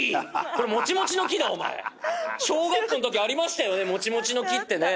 これ「モチモチの木」だお前小学校のときありましたよね